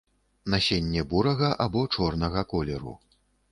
Насенне бурага або чорнага колеру.